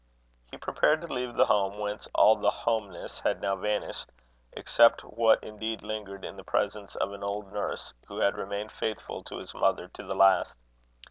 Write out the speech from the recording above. He prepared to leave the home whence all the homeness had now vanished, except what indeed lingered in the presence of an old nurse, who had remained faithful to his mother to the last.